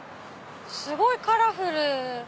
すごいカラフル！